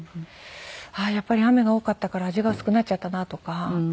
やっぱり雨が多かったから味が薄くなっちゃったなとか。